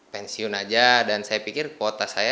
pensiun aja dan saya pikir kuota saya